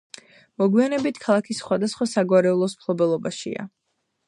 მოგვიანებით ქალაქი სხვადასხვა საგვარეულოს მფლობელობაშია.